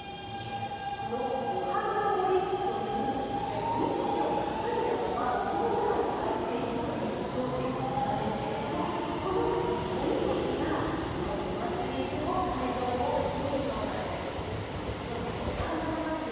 この御浜下りというおみこしを担いだまま水の中に入っていくという行事なんですが、このおみこしがお祭りでも会場を通るそうなんです。